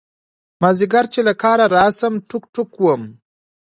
مازدیگر چې له کاره راشم ټوک ټوک وم.